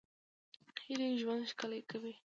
هیلې ژوند ښکلی کوي